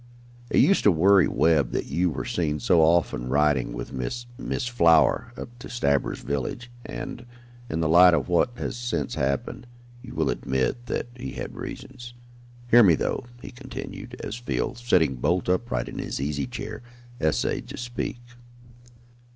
"It used to worry Webb that you were seen so often riding with Miss Miss Flower up to Stabber's village, and, in the light of what has since happened, you will admit that he had reasons. Hear me through," he continued, as Field, sitting bolt upright in the easy chair, essayed to speak.